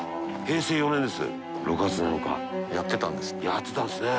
やってたんですね。